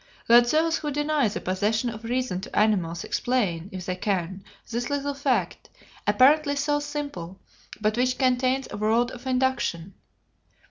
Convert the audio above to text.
Let those who deny the possession of reason to animals explain, if they can, this little fact, apparently so simple, but which contains a world of induction.